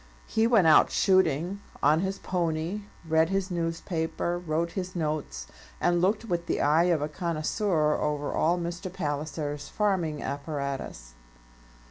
He went out shooting on his pony, read his newspaper, wrote his notes, and looked with the eye of a connoisseur over all Mr. Palliser's farming apparatus.